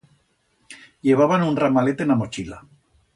Llevaban un ramalet en a mochila.